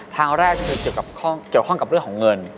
ทางแรกก็คือเกี่ยวข้องกับเรื่องของเงิน